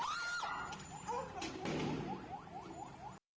polisi mencari ambulans yang berhasil berjalan